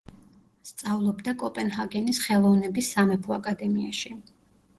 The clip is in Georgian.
სწავლობდა კოპენჰაგენის ხელოვნების სამეფო აკადემიაში.